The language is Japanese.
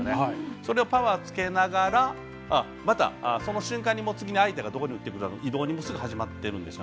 それをパワーをつけながらまたその瞬間に次の相手のボールに向けての移動にすぐ始まっているんです。